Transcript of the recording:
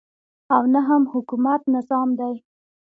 او نه هم حکومت نظام دی.